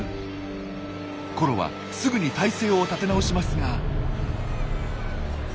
コロはすぐに体勢を立て直しますが。